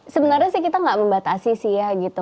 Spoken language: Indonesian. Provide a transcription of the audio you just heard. sebenarnya sih kita nggak membatasi sih ya gitu